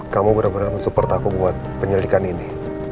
kamu benar benar mensupport aku buat penyelidikan ini